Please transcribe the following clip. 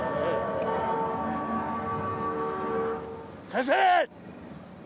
返せ！